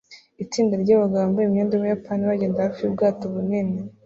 Itsinda ryabagabo bambaye imyenda yubuyapani bagenda hafi yubwato bunini